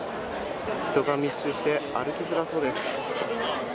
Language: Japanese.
人が密集して歩きづらそうです。